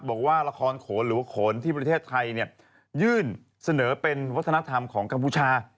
บอกว่าละครโขนหรือว่าโขนที่ประเทศไทยยื่นเสนอเป็นวัฒนธรรมของกัมพูชา